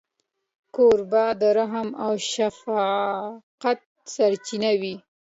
کوربه د رحم او شفقت سرچینه وي.